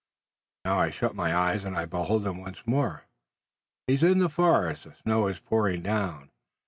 Now, I shut my eyes and I behold him once more. He's in the forest. The snow is pouring down.